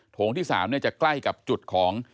โงที่๓จะใกล้กับจุดของ